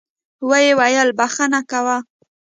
ويې ويل بخښه کوه.